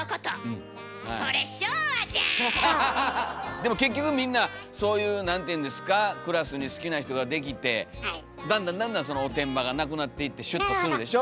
でも結局みんなそういうクラスに好きな人ができてだんだんだんだんそのおてんばがなくなっていってシュッとするでしょ。